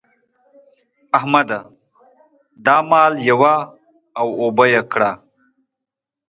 احمده! دا مال یوه او اوبه يې کړه.